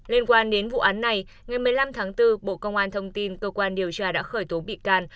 liên quan đến vụ án này ngày một mươi năm tháng bốn bộ công an thông tin cơ quan điều tra đã khởi tố bị can